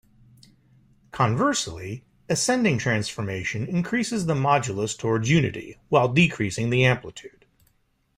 Conversely, ascending transformation increases the modulus towards unity, while decreasing the amplitude.